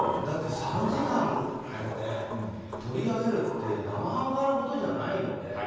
だって３時間を撮り上げるって生半可なことじゃないので。